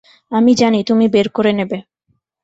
আমি জানি তুমি বের করে নেবে।